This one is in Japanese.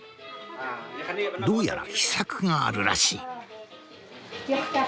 どうやら秘策があるらしい。